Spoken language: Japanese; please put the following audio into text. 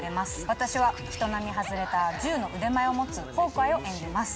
私は人並み外れた銃の腕前を持つホークアイを演じます。